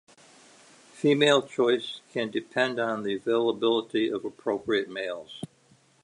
Female choice can depend on the availability of appropriate males.